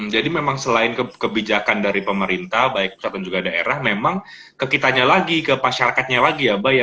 jadi memang selain kebijakan dari pemerintah baik pusat dan juga daerah memang ke kitanya lagi ke pasyarakatnya lagi ya